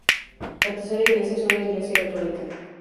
La tercera iglesia es una iglesia católica.